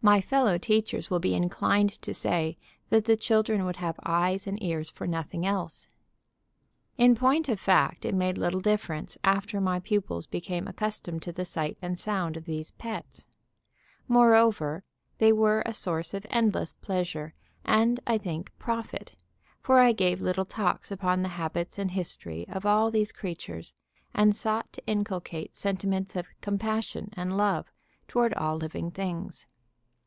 My fellow teachers will be inclined to say that the children would have eyes and ears for nothing else. In point of fact it made little difference after my pupils became accustomed to the sight and sound of these "pets." Moreover, they were a source of endless pleasure and, I think, profit, for I gave little talks upon the habits and history of all these creatures, and sought to inculcate sentiments of compassion and love toward all living things.